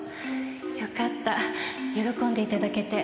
よかった喜んで頂けて。